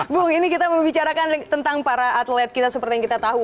bung ini kita membicarakan tentang para atlet kita seperti yang kita tahu